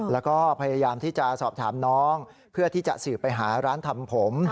แล้วก็พยายามที่จะสอบถามน้องเพื่อที่จะสืบไปหาร้านทำผม